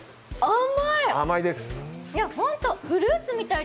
甘い！